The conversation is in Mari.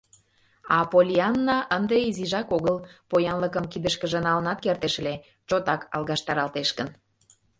А Поллианна ынде изижак огыл, поянлыкым кидышкыже налынат кертеш ыле, чотак алгаштаралтеш гын!